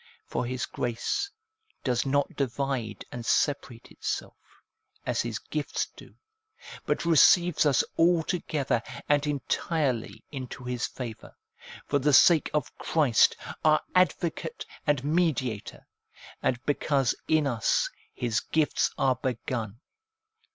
For His grace does not divide and separate itself, as His gifts do, but receives us altogether and entirely into His favour, for the sake of Christ, our Advocate and Mediator, and because in us His gifts are begun.